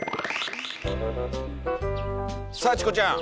さあチコちゃん。